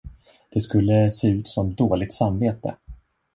Det skulle se ut som dåligt samvete.